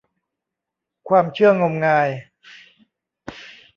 ความเชื่องมงาย